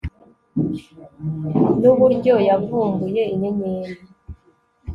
Nuburyo yavumbuye inyenyeri